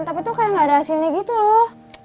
tapi tuh kayak gak ada hasilnya gitu loh